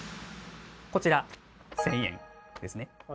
こちら１，０００円ですね。